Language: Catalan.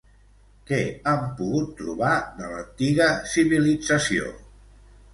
Què han pogut trobar de l'antiga civilització?